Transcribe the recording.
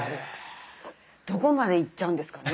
どこまでいっちゃうんですかね。